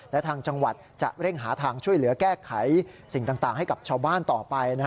และทางจังหวัดจะเร่งหาทางช่วยเหลือแก้ไขสิ่งต่างให้กับชาวบ้านต่อไป